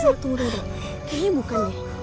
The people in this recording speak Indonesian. kayaknya bukan deh